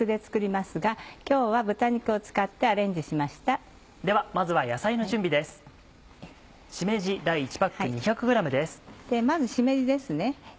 まずしめじですね。